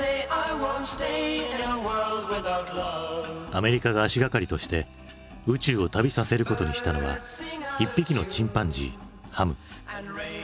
アメリカが足掛かりとして宇宙を旅させることにしたのは一匹のチンパンジーハム。